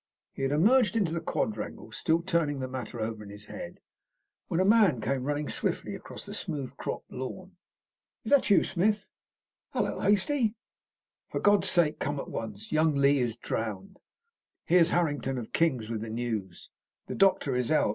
He had emerged into the quadrangle, still turning the matter over in his head, when a man came running swiftly across the smooth cropped lawn. "Is that you, Smith?" "Hullo, Hastie!" "For God's sake come at once! Young Lee is drowned! Here's Harrington of King's with the news. The doctor is out.